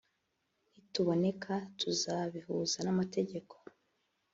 nituboneka tuzabihuza n’amategeko